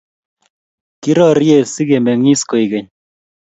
kirorie sikemengis koekeny